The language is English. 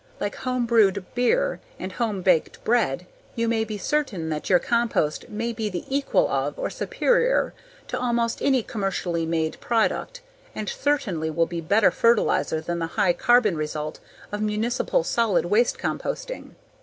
Like home brewed beer and home baked bread you can be certain that your compost may be the equal of or superior to almost any commercially made product and certainly will be better fertilizer than the high carbon result of municipal solid waste composting.